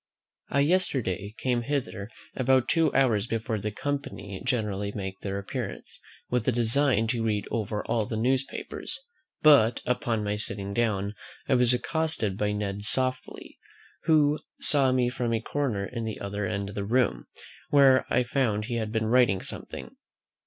I yesterday came hither about two hours before the company generally make their appearance, with a design to read over all the newspapers; but, upon my sitting down, I was accosted by Ned Softly, who saw me from a corner in the other end of the room, where I found he had been writing something.